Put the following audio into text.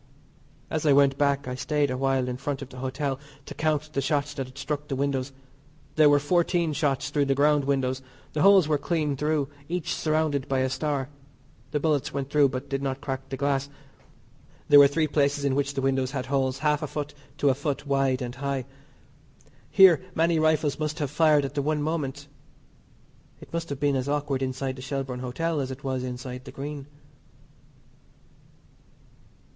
As I went back I stayed a while in front of the hotel to count the shots that had struck the windows. There were fourteen shots through the ground windows. The holes were clean through, each surrounded by a star the bullets went through but did not crack the glass. There were three places in which the windows had holes half a foot to a foot wide and high. Here many rifles must have fired at the one moment. It must have been as awkward inside the Shelbourne Hotel as it was inside the Green.